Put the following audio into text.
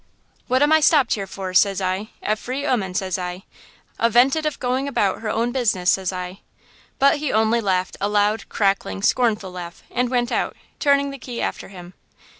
"'What am I stopped here for?' says I; 'a free 'oman,' says I, a 'vented of going about her own business?' says I. "But he only laughed a loud, crackling, scornful laugh, and went out, turning the key after him.